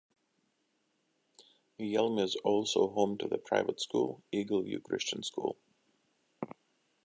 Yelm is also home to the private school Eagle View Christian School.